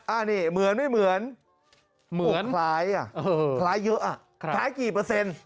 อันนี้เหมือนไม่เหมือนหมวกคล้ายอ่ะคล้ายเยอะอ่ะคล้ายกี่เปอร์เซ็นต์